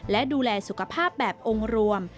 และดูแลสุขภาพแบบองค์รวม